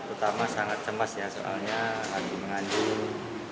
utama sangat cemas ya soalnya lagi mengandung